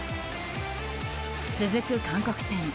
続く韓国戦。